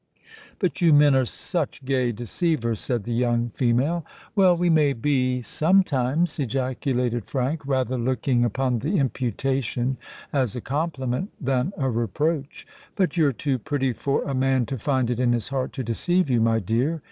"But you men are such gay deceivers," said the young female. "Well—we may be—sometimes!" ejaculated Frank, rather looking upon the imputation as a compliment than a reproach. "But you're too pretty for a man to find it in his heart to deceive you, my dear.